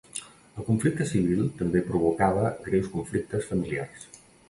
El conflicte civil també provocava greus conflictes familiars.